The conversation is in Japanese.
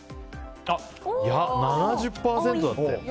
７０％だって。